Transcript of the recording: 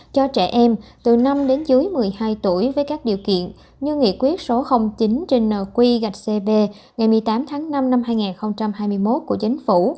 cho trẻ em từ năm đến dưới một mươi hai tuổi với các điều kiện như nghị quyết số chín trên nq gạch cb ngày một mươi tám tháng năm năm hai nghìn hai mươi một của chính phủ